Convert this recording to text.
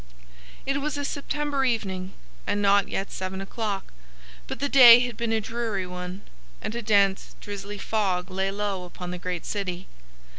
It was a September evening, and not yet seven o'clock, but the day had been a dreary one, and a dense drizzly fog lay low upon the great city.